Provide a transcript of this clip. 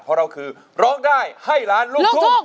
เพราะเราคือร้องได้ให้ล้านลูกทุ่ง